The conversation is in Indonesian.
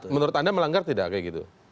menurut anda melanggar tidak kayak gitu